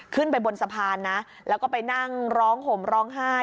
ขึ้นไปบนสะพานนะแล้วก็ไปนั่งร้องห่มร้องไห้